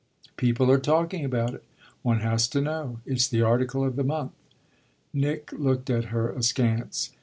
"People are talking about it. One has to know. It's the article of the month." Nick looked at her askance.